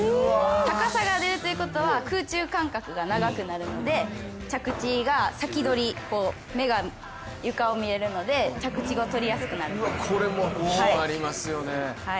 高さが出るということは空中間隔が長くなるので着地が先取り、目が床を見れるので着地が取りやすくなります。